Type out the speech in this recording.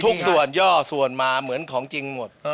ทุกส่วนย่อส่วนมาเหมือนของจริงหมด